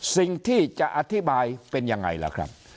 สิ่งที่จะอธิบายเป็นยังไงล่ะครับ